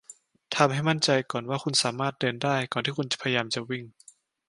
ทำให้มั่นใจก่อนว่าคุณสามารถเดินได้ก่อนที่คุณจะพยายามวิ่ง